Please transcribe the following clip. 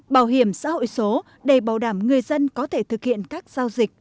bảo hiểm xã hội số để bảo đảm người dân có thể thực hiện các giao dịch